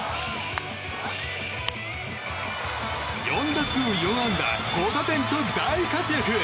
４打数４安打５打点と大活躍。